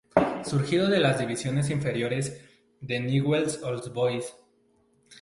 Surgido de las divisiones inferiores de Newell's Old Boys.